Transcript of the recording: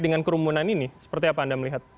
dengan kerumunan ini seperti apa anda melihat